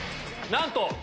なんと！